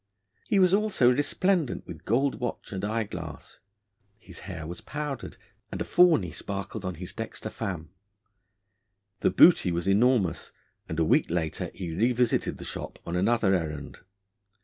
He was also resplendent with gold watch and eye glass. His hair was powdered, and a fawney sparkled on his dexter fam. The booty was enormous, and a week later he revisited the shop on another errand.